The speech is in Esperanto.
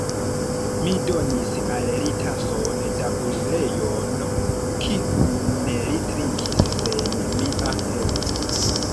Mi donis al li tason da buljono, kiun li trinkis sen mia helpo.